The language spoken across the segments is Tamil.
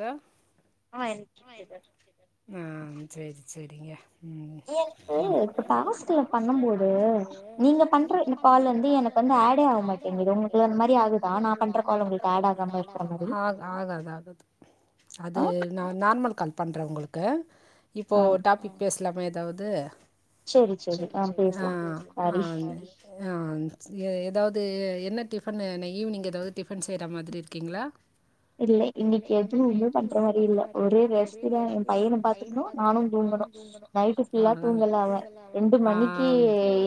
த ஆஹ் சேரி சேரிங்க எனக்கு இப்ப காஸல பண்ணும் போது நீங்க பண்ற கால் வந்து எனக்கு வந்து ஆடே ஆக மாட்டங்குது உங்களுக்கு அந்த மாரி ஆகுதான் நான் பண்ற கால் உங்களுக்கு ஆட் ஆகாம இருக்கற மாரி அது ந நார்மல் கால்ப என்றவங்களுக்கு இப்போ டாபிக் பேச இல்லாம எதாவது ஆஹ் ஆஹ் ஆஹ் எதாவது து என்ன டிஃபன் ஈவினிங் ஏதாவது டிஃபன் செய்ற மாதிரி இருக்கீங்களா இல்லை இன்னக்கு எதுவும் ஒன்னு பண்ற மாரி இல்ல ஒரே ரெஸ்ட்டு தான் என் பையன பாத்துக்கணும் நானும் தூங்கணும் நைட்டு ஃபுல்லா தூங்கல அவன் ரெண்டு மணிக்கு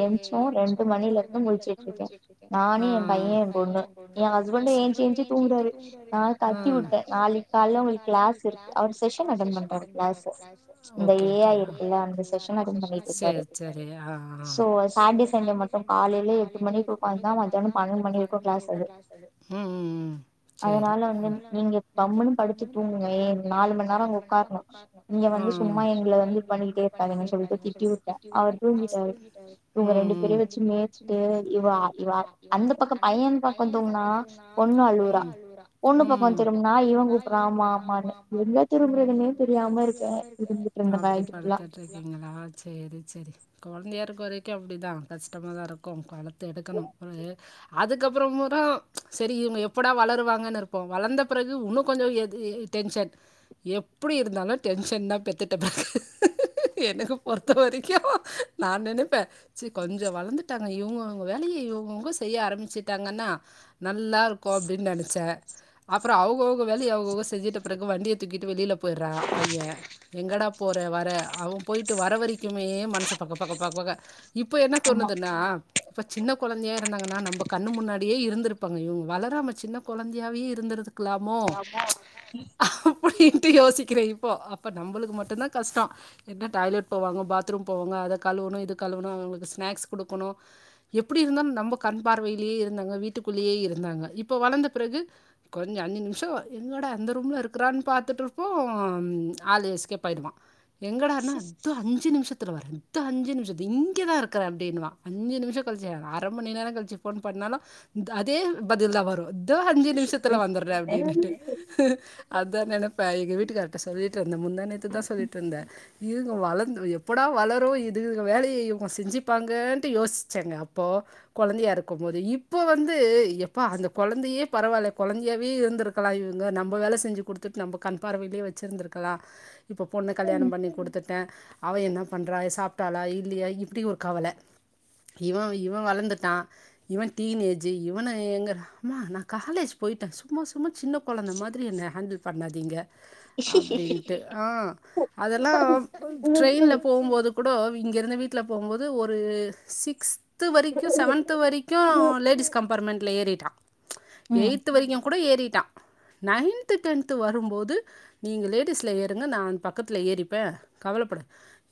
ஏந்தச்சோம் ரெண்டு மணில இருந்து முலிச்சுட்டு இருக்கேன் நானும் என் பையன் என் பொண்ணு என் ஹஸ்பண்ட ஏ்சி ஏஞ்சி தூங்குறாரு ஆஹ் கட்டி வுட்டேன் ஓகே ஓகே சேரி சேரி ஆஹ் ஆஹ் உம் உம் உம் அதனால வந்து நீங்க நீங்க கம்முன்னு படுத்து தூங்குங்க ஏன் நாலு மணி நேரம் உக்காரணும் ம் இங்க வந்து சும்மா எங்களை வந்து பண்ணிக்கிட்டே இருக்காதிங்கன்னு சொல்லிட்டு திட்டி விட்டேன் அவர் தூங்கிட்டாரு ம் இவங்க ரெண்டு பேர வச்சு மேய்சுட்டு இவா இவ அந்த பக்கம் பையன் பக்கம் தூங்கனா ம் பொண்ணு அழுவுரா பொண்ணு பக்கம் திரும் அப்டி படுத்துட்டு இருக்கீங்களா சேரி சேரி கொழந்தையா இருக்குற வரைக்கும் அப்படிதான் கஷ்டமாதான் இருக்கும் வளர்த்து எடுக்கணும் அதுக்கப்புறம் தான் சரி இவங்க எப்படா வளருவாங்கன்னு இருப்போம் வளர்ந்த பிறகு ஒன்னும் கொஞ்சம் எது டென்ஷன் எப்புடி இருந்தாலும் டென்ஷன் தான் பெத்துட்டபிறகு எனக்கு பொருத்த வரைக்கும் நான் நினைப்பேன் சரி கொஞ்சம் வளந்துட்டாங்க இவுங்க இவுங்க வேலையை இவுங்கவுங்க செய்ய ஆரம்பிச்சுட்டாங்கன்னா நல்லா இருக்கும் அப்டின்னு நெனைச்சேன் அப்புறம் அவுக அவுக வேலய அவுகவுக செஞ்சிட்ட பிறகு வண்டிய தூக்கிட்டு வெளில போயிறான் பையன் எங்கடா போற வர அவன் போயிட்டு வர வரைக்குமே மனசு பக்க பக்க பக இப்ப என்ன தோணுதுன்னா இப்ப சின்ன குழந்தையா இருந்தாங்கன்னா நம்ம கண்ணு முன்னாடியே இருந்திருப்பாங்க இவுங்க வளராம சின்ன குழந்தையாவே இருந்திரு க்கலாமோ அப்படின்ட்டு யோசிக்கிறேன் இப்போ அப்ப நம்மளுக்கு மட்டும்தான் கஷ்டம் என்ன டாய்லெட் போவாங்க பாத்ரூம் போவாங்க அத கழுவணும் இத கழுவணும் அவுங்களுக்கு ஸ்நாக்ஸ் குடுக்கணும் எப்படி இருந்தாலும் நம்ம கண் பார்வையிலேயே இருந்தாங்க வீட்டுக்குள்ளேயே இருந்தாங்க இப்ப வளர்ந்த பிறகு கொஞ்சம் அஞ்சு நிமிஷம் என்கோட அந்த ரூம்ல இருக்கிறான்னு பார்த்துட்டுருப்போம் ஆளு எஸ்கேப் ஆயிடுவான் எங்கடான்னா இதோ அஞ்சு நிமிஷம் வர அஞ்சு நிமிஷம் இங்கதான் இருக்க அஞ்சு நிமிஷம் கழிச்சு அர மணி நேரம் கழிச்சு போன் பண்ணாலும் அதே பதில் தான் வரும் இதோ அஞ்சு நிமிஷத்து வந்துர்ரேன் அப்படின்னுட்டு அதுதா நெனப்ப எங்க வீட்டு கார்ட்ட சொல்லி ட்டு முந்தாநேத் தான் சொல்லிட்டு ருந்தேன் இதுங்க வளந்து எப்படா வளரும் இது வேலையை இவுங்க செஞ்சுப்பாங்கன்ட்டு யோசிச்சேங்க அப்போ குழந்தையா இருக்கும் போது இப்போ வந்து எப்பா அந்த குழந்தையே பரவால்ல குழந்தையாவே இருந்திருக்கலாம் இவுங்க நம்ம வேலை செஞ்சு குடுத்துட்டு நம்ம கண் பார்வையிலே வச்சிருந்திருக்கலாம் இப்ப பொண்ணு கல்யாணம் பண்ணி கொடுத்துட்டேன் அவன் என்ன பண்றா சாப்டாளா இல்லையா இப்படி ஒரு கவலை இவன் இவன் வளர்ந்துட்டான் இவன் டீனேஜு இவன எங்க அம்மா நான் காலேஜ் போயிட்டேன் சும்மா சும்மா சின்ன குழந்த மாதிரி என்ன ஹேண்டில் பண்ணாதீங்க அப்படின்ட்டு ஹ அதெல்லாம் ட்ரெயின்ல போவும்போது கூட இங்க இருந்து வீட்டில் போகும்போது ஒரு சிக்ஸ் த் வரைக்கும் செவன்த் வரைக்கும் லேடிஸ் கம் பர்மெண்ட்ல ஏறிட்டா உம் இவன் கூட ஏறிட்டான் நைன்து டென்து வரும்போது நீங்கள் லேடிஸில் ஏறுங்க நா பக்கத்தில் ஏறிப்பேன் கவலைப்பட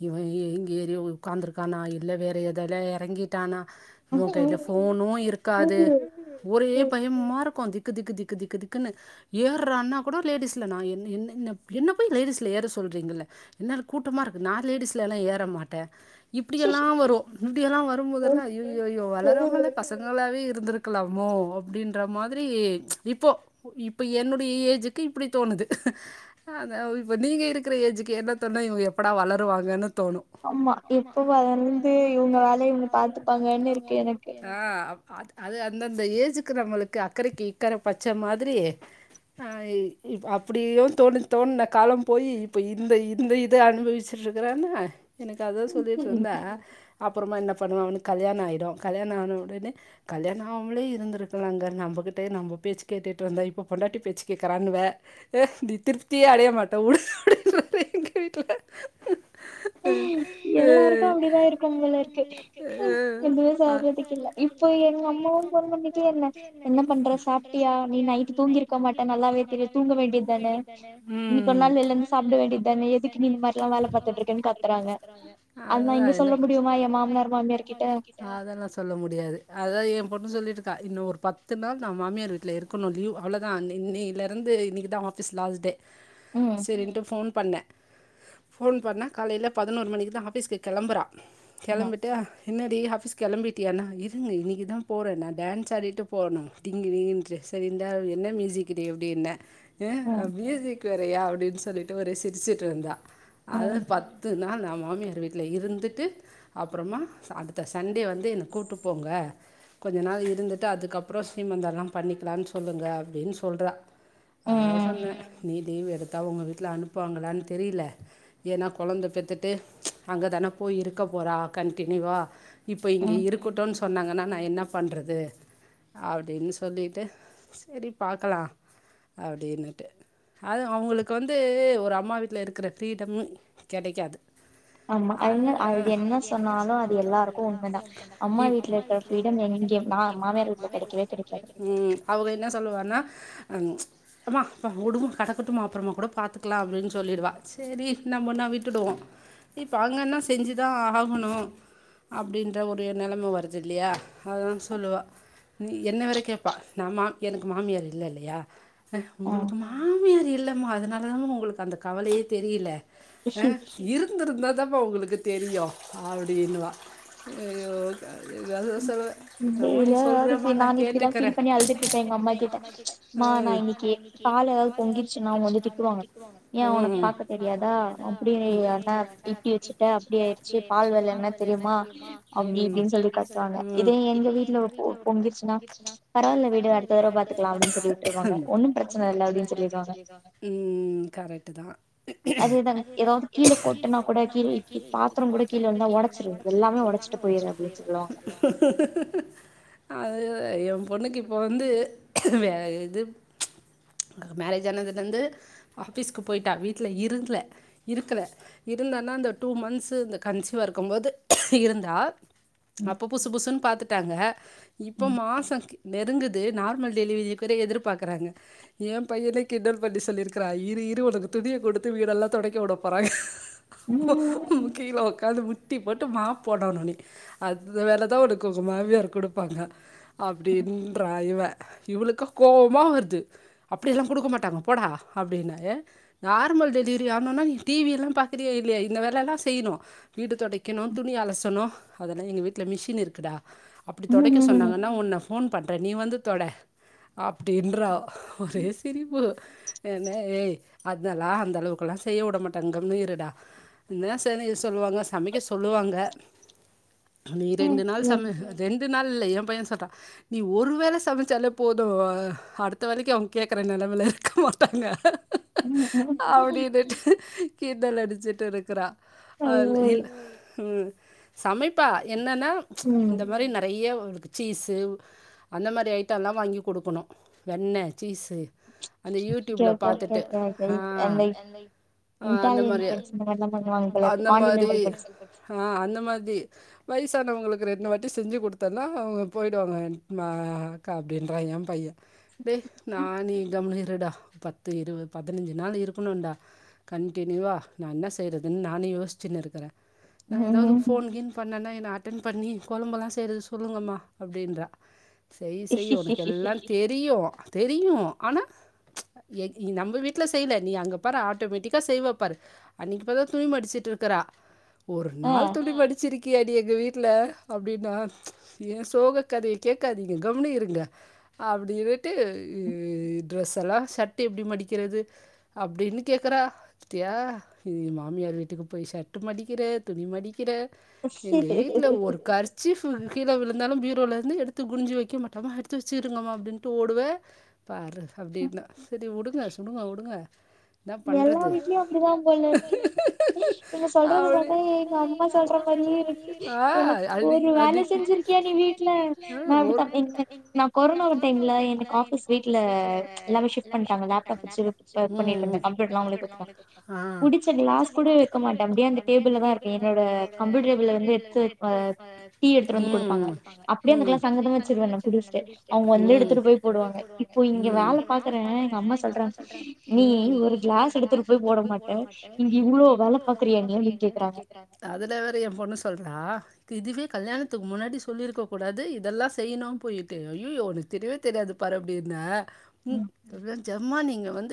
இவன் எங்கே ஏறி உட்காந்துருக்கானா இல்ல வேற எதெல்லாம் இறங்கிட்டானா இவன் கையில போனும் இருக்காது ஒரே பயமா இருக்கும் திக்கு திக்கு திக்கு திக்குனு ஏறான்னா கூட லேடிஸ்ல நா என்ன என்ன என்ன போய் லேடிஸ்ல ஏற சொல்றீங்க என கூட்டமா இருக்கு நா லேடிஸ்ல எல்லாம் ஏற மாட்டேன் இப்படியெல்லாம் வரும் இப்படியெல்லாம் வரும் போதல்லாம் ஐயோ ஐயோ வளரமலே பசங்களாகவே இரு இருந்துருக்கலாமோ அப்படின்ற மாதிரி இப்போ இப்போ என்னுடைய ஏஜுக்கு இப்டி தோணுது அதாவது இப்போ நீங்க இருக்கிற ஏஜுக்கு என் தோண எப்படா வளருவாங்கன்னு தோணும் ஆமா எப்ப வளந்து இவுங்க வேலய இவுங்க பாத்துப்பாங்க இருக்கு ஹ அது அது அந்தந்த ஏஜுக்கு நம்மளுக்கு அக்கறைக்கு இக்கற பச்சை மாதிரி அப்புடியும் தோணு தோணின காலம் போயி இப்போ இந்த இந்த இத அனுபவிச்சருக்கன்ன எனக்கு அதான் சொல்லிட்டு இருந்தா அப்பறமா என்ன பண்ணுவ அவனு கல்யாணம் ஆயிடும் கல்யாணம் ஆன உடனே கல்யாணம் ஆவாமளே இருதுக்கலாங்க நம்ம கிட் நம் பேச்சு கேட்டுட்டு இருந்தான் இப்ப பொண்டாட்டி பேச்சு கேட்கிறான்னுவே ஹ நீ திருப்தியே அடய மாட்டேன் உடு அப்புடின்றாரு எங்க வீட்ல எல்லாருக்கும் அப்படிதான் இருக்கும் போல இருக்கு எதும் சொல்றதுக்கு இல்ல இப்போ எங்க அம்மாவும் போன் பண்ணிட்டே என்ன என்ன பண்ற சாப்புடியா நீ நைட் தூங்கிருக்கமாட்ட நல்லாவே தெரியும் தூங்க வேண்டியது தானே இனிக்கு ஒரு நாள் வெளியருந்து சாப்பட வேண்டியதுதனே எதுக்கு நீ இந்த மாதிரல்லாம் வேல பாத்துட்டு இரு அது தா இன்ன அதெல்லா சொல்ல முடியாது அத என் பொண்ணு சொல்லிட்டு கா இன்னொரு பத்து பத்து நாள் நா மாமியார் வீட்டில இருக்கணும் லீவ் அவ்வுளதான் நீ இன்னில இருந்து இன்னிக்கு தா ஆபீஸ் லாஸ்ட டே செரின்ட்டு போன் பண்ணேன் போன் பண்ணா காலேல பதினோரு மணிக்கு தான் ஆபீஸ்கு கிளம்புறா கிளம்பிட்டு என்னடி ஆபீஸ் கிளம்பிட்டியான்னா இருங்க இன்னிக்கு தா போறன் நா டான்ஸ் ஆடிட்டு போகணும் டிங்கு டிங்குட்டு செரி இந்தா என்ன மியூசிக் அப்டினே ஹ மியூசிக் வேறயா அப்டின்னு சொல்லிட்டு ஒரே சிரிச்சிட்டு இருந்தா அத பத்துனா நம் மாமியார் வீட்டில் இருந்துட்டு அப்புறமா அடுத்த சண்டே வந்து என்ன கூப்பிட்டு போங்க கொஞ்ச நாள் இருந்துட்டு அதுக்கப் அப்பறம் சீமந்தம் எல்லாம் பண்ணிக்கலான்னு சொல்லுங்க அப்டின்னு சொல்றா அதான் சொன்னே நீ லீவு எடுத்தா உங்க வீட் வீட்ல அனுப்புவாங்களான்னு தெரியல ஏன்னா கொழந்த பெத்துட்டு அங்கதானே போய் இருக்க போறா கண்டி நியூவா இப்போ இங்கே இருக்கட்டும் சொ சொன்னாங்கன்னா நா என்ன பண்றது அப்படின்னு சொல்லிட்டு சரி பாக்கலாம் அப்படின்னுட்டு அது அவுங்களுக்கு வந்து ஒரு அம்மா வீட்ல இருக்கிற ஃப்ரீடம் கிடைக்காது ஆமா அதுன அது என்ன சொன்னாலும் அது எல்லாருக்கும் உண்ம தான் அம்மா வீட்டுல இருக்கிற ஃப்ரீடம் எங்கேயும் நா மாமியார் ம் அவங்க என்ன சொல்லுவானா அஹ எம்மா உடும்மா கடக்கட்டும்மா அப்புறமா கூட பாத்துக்கலாம் அப்படின்னு சொல்லிடுவா சரி நம்மன்னா விட்டுடுவோம் இப்ப அங்கன்னா செஞ்சுதான் ஆகணும் அப்படின்ற ஒரு நிலைம வருது இல்லையா அததான் சொல்லுவா நீ என்ன வேற கேப்பா நான் மா எனக்கு மாமியார் இல்ல இல்லையா உங்களுக்கு மாமியார் இல்லம்மா அதனால தாமா உங்களுக்கு அந்த கவலையே தெரில அஹ் இருந்திருந்தாதான் இப்ப உங்களுக்கு தெரியும் அப்படின்னுவா அய்யோ கடவுளே ஏதாவது த என்னமோ நீ சொல் சரி நான் இப்படிதான் ஃபீல் பண்ணி அழுதுட்டு இருப்பேன் எங்க அம்மா கிட்ட மா நான் இன்னைக்கு பால் ஏதாவது பொங்கிருச்சுன்னா அவங்க வந்து திட்டுவாங்க ஏன் உனக்கு பாக்க தெரியாதா அப்டினா இப்டி வச்சுட்டே அப்டி ஆயிடுச்சு பால் விலை என்ன தெரியுமா அப்டி இப்டின்னு சொல்லி கத்துவாங்க இதே எங்க வீட்டுல ஒரு பொங்கிச்சுதான் பரவாயில்ல வீடு அடுத்த தடவ பாத்துக்கலாம் ஒண்ணும் பிரச்சனை இல் அப்படின்னு சொல்லிருக்காங்க உம் கரெக்ட் தான் அதுதான் ஏதாவது கீழே போட்டேனா கூட கீழே இப்ப பாத்றோம் கூட கீழே வந்தா உடைச்சிரு எல்லாமே உடைச்சிட்டு போயிரு அது என் பொண்ணுக்கு இப்போ வந்து வே இது மேரேஜ் ஆனதுலேருந்து ஆஃபீஸ்க்கு போயிட்டா வீட்டில இருந்தல இருக்கல இருந்தான்னா அந்த டூ மன்ஸ் இந்த கன்சியூவா இருக்கும் போது இருந்தா அப்போ புசுபுசுன்னு பாத்துட்டாங்க இப்ப மாசம் நெருங்குது நார்மல் டெலிவரி எதிர்பார்க்கறாங்க என் பையனை கிண்டல் பண்ணி சொல்லிருக்கான் இரு இரு னக்கு துணிய கொடுத்து வீடெல்லாம் தொடக்க விட போறாங்க கோ கும் கீழ க்கந்து முட்டி போட்டு மாப் போடோனு நீ அந்த வேலை தான் உனக்கு உங்க மாமியார் கொடுப்பாங்க அப்படின்ற இவன் இவளுக்கும் கோபமா வருது அப்படிய எல்லாம் கொடுக்க மாட்டாங்க போடா அப்படின்னா நார்மல் டெலிவரி ஆகனும்னா நீ டிவி எல்லாம் பாக்குரிய இல்லையா இந்த வேல எல்லாம் செய்யணும் வீடு துடைக்கணும் துணி அலசணும் அதெல்லாம் எங்க வீட்டுல மிஷின் இருக்குடா அப்டி தொடக் துடைக்க சொன்னாங்கன்னா உன்ன போன் பன் ர நீ வந்து தொட அப்டின்ற ஒரே சிரிப்பு என்ன ஏய் அதல்லாம் அந்த அளவுக்குெல்லாம் செய்ய விட மாட்டாங்க கம்முனு இருடா எதுனா சொல்லுவாங்க சமைக்க சொல்லுவாங்க நீ ரெண்டு நாள் சம ரெண்டு நல்ல என் பையன் சொல்லிட்டான் நீ ஒரு வேலை சமைச்சாலே போதும் அடுத்த வேலைக்கு அவங்க கேட்கற நிலமையில இருக்க மாட்டாங்க அப்படினுட்டு கிண்டல் அடிச்சிட்டு இருக்குறான் அ இ உம் சமைப்பா என்னன்னா இந்த மாரி ந நைய அவளுக்கு சீஸ் அந்த மாதிரி ஐட்டம்லாம் வாங்கி கொடுக்கணும் வெண்ணெய் சீஸ் அந்த யூடியூப்ல பாத்துட்டு ஆஹ்ஹ அந்த மாரி அந்த மாரி ஆஹ் அந்த மாரி வயசானவங்களுக் இந்த ரெண்டு வந்து செஞு கொடுத்து மற்றல்லாம் அவங்க போயிவிடுவாங்க மா அக்கா அப்படின்றா என் பையன் டெய் நான் கம்ளும் இருடா பத்து இருது பதினஞ்சு நாள் இருக்கணும்டா கண்டினியூவாக நான் என்ன செய்யறதுன்னு நானும் யோசிச்சுன்னு இருக்கிறேன் நான் ஏதாவது போன் கின் பண்ணேனா என் ஆட்ட அட்டன் பண்ணி கொழம்பலாம் செய்றது சொ சொல்லுங்கம்மா அப்படின்றா செய் செய் உனக்கு எல்லாம் தெரியும் தெரியும் ஆனா நம்ம வீட்டில் செய்யலை நீ அங்க பாரு ஆட்டோமேட்டிக்கா செய்வாப்பாரு அன்னைக்கு பாத்தா துணி மடிச்சுடு இருக்குற ஒரு நாள் துணி மடிச்சிட்டு அப்படி எங்க வீட்டுல அப்படின்னா ஏன் சோக கதைய கேட்காதீங்க கம்முனு இருங்க அப்படின்னுட்டு ட்ரெஸ் எல்லாம் ஷர்ட்டு எப்படி மடிக்கிறது அப்படின்னு கேட்குறா த்தியா இ மாமியார் வீட்டுக்கு போய் ஷர்ட் மடிக்கிற துணி மடிக்கிற எங்க வீட்டுல ஒரு கர்ச்சீஃப் விழுந்தாலும் பியரோலருந்து எடுத்து குனுஞ்சி வைக்க மாட்டா அம்மா எடுத்து வச்சுருங்கமா அப்படின்ட்டு ஓடுவா பாரு அப்படின்ந்தான் செரி விடுங்க சும்மா விடுங்க எல்லா வீட்லயும் அப்படிதான் போல இருக்கு நீங்க சொல்றது பாத்த எங்க அம்மா சொல்ற மாதிரியே இருக்கு எனக்கு ஒரு வேல செஞ்சிருக்கு கியா நீ வீட்ல நான் அப்படித்தா நான் கொரோனா டைம்ல எனக்கு ஆஃபீஸ் வீட்ல எல்லாமே ஷிஃப்ட் பண்ணிட்டாங்க லேப்டாப் வச்சு பண்ணிட்டுந்தேன் அப்படிலாம் உங்களுக் இருக்கும் குடிச்ச கிளாஸ் கூட வக்க மாட்டேன் அப்டியே அந்த டேபிள் தா இருக்கும் என்னோட கம்ப்யூட்டர் டேபிள்ல இருந்து எடுத்து வைப்பேன் டீ வந்து கொடுப்பாங்க அப்படி அந்த கிளாஸ் அங்க போய் வச்சுருவேன் குடிச்சுட்டு அவுங்க வந்து எடுத்துட்டு போய் போடுவாங்க இப்போ இங்க வேல பாக்குறேன் எங்க அம்மா சொல்றாங்கா நீ ஒரு ஒரு கிளாஸ் எடுத்துட்டு போய் போட மாட்ட நீ இவ்ளோ வேல பாக்குரியே கேக்றாங்க அதுல வேற என் பொண்ணு சொல்றா எதுக்கு கல்யாண கல்யாணத்துக்கு முன்னாடி சொல்லிருக்க கூடாது இதெல்லாம் செய்யணும்னு போய் அய்யயோ உனக்கு தெரியவே தெரியாது பாருன்னு அப்டினுரே உ ஜம்மா நீங்க வந்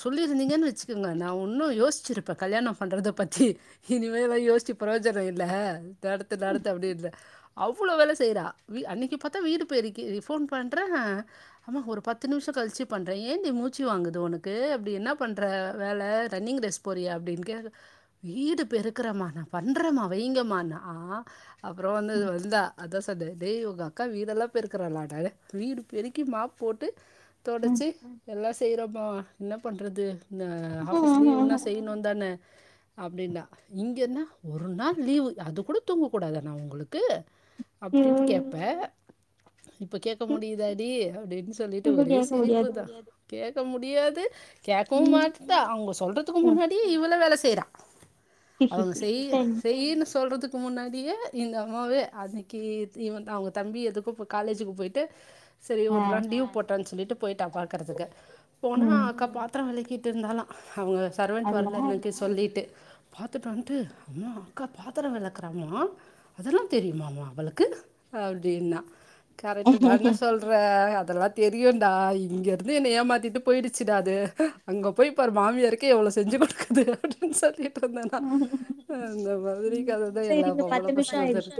சொல்லியிருந்தீங்கன்னு வச்சு ங்க நான் ஒன்னும் யோசிச்சிட்டே கல்யாணம் பண்றத பத்தி இனிமேல்லாம் யோசிச்சு பிரஜோனம் இல்ல நடத்து நடத்து அப்டின்றே அவ்ளோ வேல செய்ரா அன்னைக்கு பாத்த வீடு பெருக்கி ஃபோன் பண்ற ஒரு பத்து நிமிஷம் கழிச்சு பண்றேன் ஏன் டி மூச்சு வாங்குது உனக்கு அப்படி என்ன பண்ற வேல ரன்னிங் ரேஸ் போறியா அப்படி கேக் வீடு பெருக்குறேன்ம்மா நா பண்றம்மா வைங்கம்மா னா அப்புறம் வந்து வெதான் அதான் சன்டே உங்க அக்கா வீடெல்லாம் போய் பெருக்கிறலாட வீடு பெருக்கி மாப் போட்டு தொடைச்சு எல்லாம் செய்யறோம்மா என்ன பண்ணுறது ந ஆஃபிஸ்லை ஒண்ணா செய்யணும் தானே அப்படின்னா இங்கன்னா ஒரு நாள் லீவு அது கூட தூங்கக்க கூடாது நா உங்களுக்கு அப்படின்னு கேப்ப இப்ப கேட்க முடியுதாடி அப்படின்னு சொ சொல்லிட்டு ஒரே சிரிப்பு தான் கேட்க முடியாது ஹ கேட்கவும் மாட்டான் அவங்க சொல்றதுக்கு முன்னாடி இவ்வளவு வேல செய் செய்ரா அவங்க செய் செய்னு சொல்றதுக்கு இப்போ முன்னாடியே இந்த அம்மாவே அன்னைக்கு இவன் அவங்க தம்பி எதுக்கும் காலேஜுக்கு போயி்ட்டு சரி இவங்களுக்லாம் டீ போட்டு அப்புனு சொல்லிட்டு போய்ட்டா பாக்கறதுக்கு போனா அக்கா பாத்திரம் வலிக்கு க்கிட்டு இருந்தாலாம் அவங்க சர்வெண்ட் வரலை எனக்கு சொல்லிட்டு பாத்துட்டு வன்ட்டு அம்மா அக்கா பாத்திர வெளக்குறமா அதெல்லாம் தெரியுமாமா அவளுக்கு அப்படின்னா கரெக்ட் தான்டா சொல்ற அதெல்லாம் தெரியும்டா இங்க இருந்து என் ஏமாத்திட்டு போயிடுச்சிடாது அங்க போய் இப்ப மாமியாருக்க எவ்வளோ செஞ்சி கொடுக்குது அப்படின்னு சொல்லி ந்த இந்த மாதிரி கதைதான் எல்லா பொம்பள செர்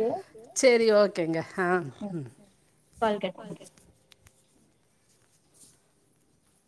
செரி ஓகேங்க ஆஹ்